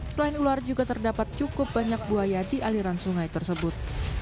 selain ular juga terdapat cukup banyak buaya di aliran sungai tersebut